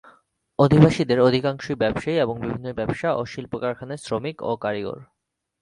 অধিবাসীদের অধিকাংশই ব্যবসায়ী এবং বিভিন্ন ব্যবসা ও শিল্প কারখানায় শ্রমিক ও কারিগর।